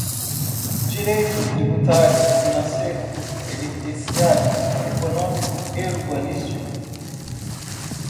direito tributário, financeiro, penitenciário, econômico e urbanístico;